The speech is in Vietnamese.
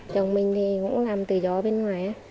chồng mình thì cũng làm tự do bên ngoài